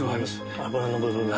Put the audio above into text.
脂の部分が。